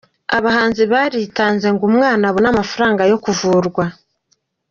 Abahanzi baritanze ngo umwana abonye amafaranga yo kuvugwa.